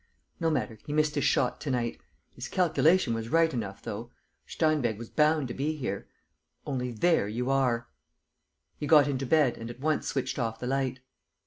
... No matter, he missed his shot to night. ... His calculation was right enough, though ... Steinweg was bound to be here. ... Only, there you are! ..." He got into bed and at once switched off the light.